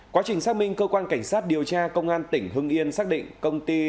quá trình xác minh cơ quan cảnh sát điều tra công an tỉnh hưng yên xác định công ty